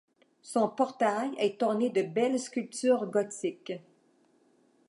Son portail est orné de belles sculptures gothiques.